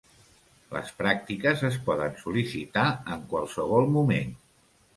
Les pràctiques es poden sol·licitar en qualsevol moment.